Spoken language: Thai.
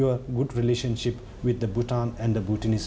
ความรักกับปุฏินิสต์และปุฏินิสต์